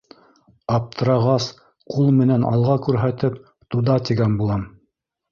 Аптырағас, ҡул менән алға күрһәтеп, туда, тигән булам.